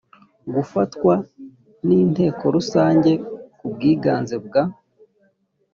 gifatwa n inteko rusange ku bwiganze bwa